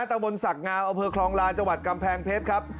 ๒๑๑ตะวนศักดิ์งาอคลองลาจกำแพงเพชรครับ